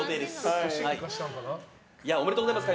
おめでとうございます。